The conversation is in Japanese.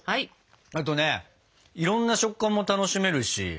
あとねいろんな食感も楽しめるし。